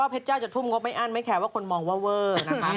เพชรเจ้าจะทุ่มงบไม่อั้นไม่แคร์ว่าคนมองว่าเวอร์นะคะ